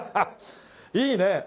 いいね。